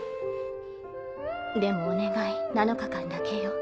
でもお願い７日間だけよ。